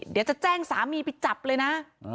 เดี๋ยวจะแจ้งสามีไปจับเลยนะ